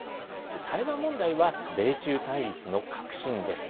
台湾問題は米中対立の核心です。